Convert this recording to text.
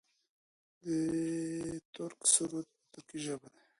د ترک سرود په ترکۍ ژبه دی.